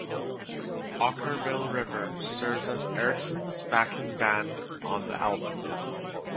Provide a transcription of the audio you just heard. Okkervil River serves as Erickson's backing band on the album.